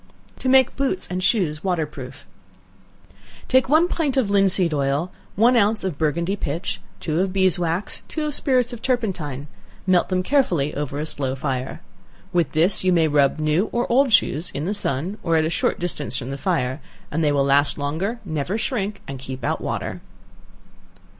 To Make Boots and Shoes Water proof. Take one pint of linseed oil, one ounce of Burgundy pitch, two of beeswax, and two of spirits of turpentine; melt them carefully over a slow fire. With this you may rub new or old shoes in the sun, or at a short distance from the fire, and they will last longer, never shrink, and keep out water.